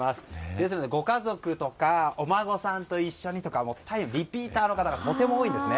ですので、ご家族とかお孫さんと一緒にとかリピーターの方が多いです。